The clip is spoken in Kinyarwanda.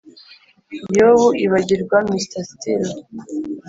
yoo, ibagirwa mr steele.